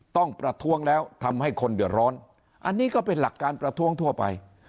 ประท้วงแล้วทำให้คนเดือดร้อนอันนี้ก็เป็นหลักการประท้วงทั่วไป